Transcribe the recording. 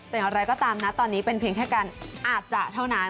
แต่อย่างไรก็ตามนะตอนนี้เป็นเพียงแค่การอาจจะเท่านั้น